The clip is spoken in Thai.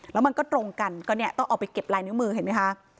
แล้วมันก็ตรงกันก็เนี่ยต้องเอาไปเก็บลายนิ้วมือเห็นไหมคะ